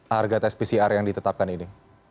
harga tes pcr yang ditetapkan ini